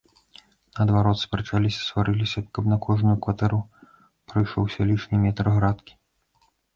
Наадварот, спрачаліся, сварыліся, каб на кожную кватэру прыйшоўся лішні метр градкі.